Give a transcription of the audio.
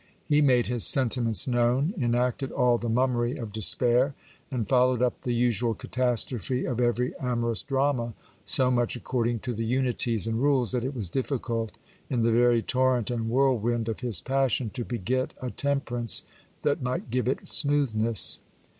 He made his sentiments known, enacted all the mummery of despair, and followed up the usual catastrophe of every amorous drama so much according to the unities and rules, that it was difficult, in the very torrent and whirlwind of his passion, to be jet a temperance that might give it smoothness.